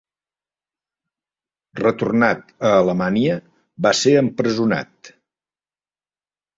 Retornat a Alemanya va ser empresonat.